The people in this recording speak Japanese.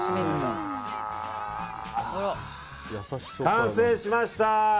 完成しました！